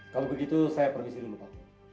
kalau begitu saya pergi dulu pak